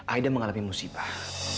aida mengalami musibah